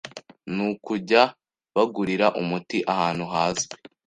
nu kujya bagurira umuti ahantu hazwi